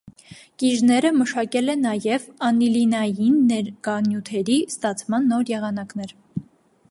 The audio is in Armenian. Կիժները մշակել Է նաև անիլինային ներկանյութերի ստացման նոր եղանակներ։